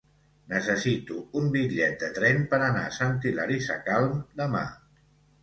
Necessito un bitllet de tren per anar a Sant Hilari Sacalm demà.